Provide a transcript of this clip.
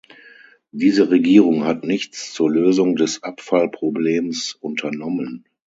Diese Regierung hat nichts zur Lösung des Abfallproblems unternommen.